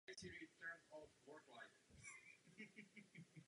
Hnízdo je umístěno na konci nory.